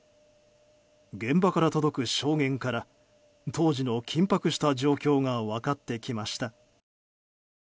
現場から届く証言から当時の緊迫した状況が分かってきました。